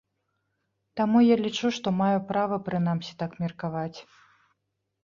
Таму я лічу, што маю права прынамсі так меркаваць.